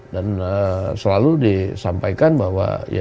dan selalu disampaikan bahwa ya